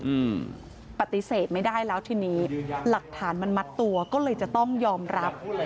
อืมปฏิเสธไม่ได้แล้วทีนี้หลักฐานมันมัดตัวก็เลยจะต้องยอมรับ